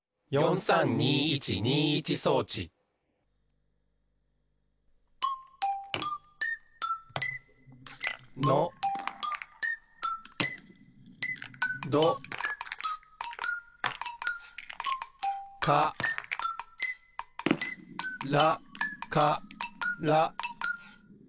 ４３２１２１装置のどからから。